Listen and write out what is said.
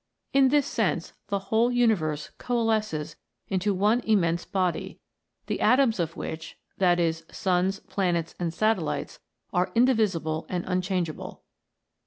In this sense the whole universe coalesces into one immense body, the atoms of which that is, suns, planets, and satellites are indivisible and unchangeable